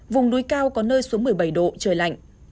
vùng núi cao có nơi xuống một mươi bảy độ trời lạnh